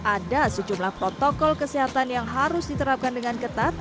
ada sejumlah protokol kesehatan yang harus diterapkan dengan ketat